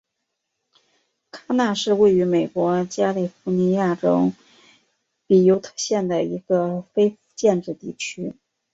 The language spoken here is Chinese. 卡纳是位于美国加利福尼亚州比尤特县的一个非建制地区。